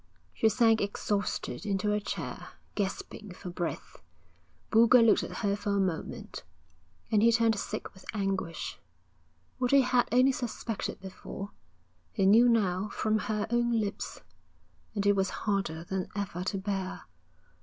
She sank exhausted into a chair, gasping for breath. Boulger looked at her for a moment, and he turned sick with anguish. What he had only suspected before, he knew now from her own lips; and it was harder than ever to bear.